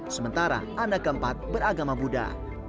sementara anak keempat beragama buddha